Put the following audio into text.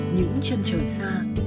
những chân trời xa